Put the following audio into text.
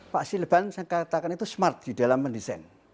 pak silban saya katakan itu smart di dalam mendesain